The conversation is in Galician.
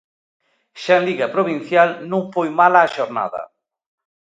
Xa en liga provincial, non foi mala a xornada.